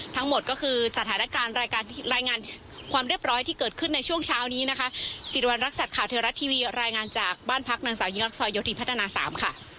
ทั้งหมดก็คือสถานการณ์รายงานความเรียบร้อยที่เกิดขึ้นในช่วงเช้านี้นะคะสิริวัณรักษัตริย์ข่าวเทวรัฐทีวีรายงานจากบ้านพักนางสาวยิ่งรักซอยโยธิพัฒนา๓ค่ะ